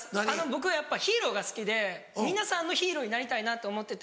僕やっぱヒーローが好きで皆さんのヒーローになりたいなと思ってて。